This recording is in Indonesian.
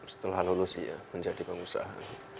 setelah lulus ya menjadi pengusaha